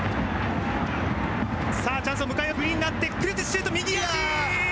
さあ、チャンスを迎えるフリーになってシュート右足。